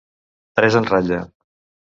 Tres en ratlla.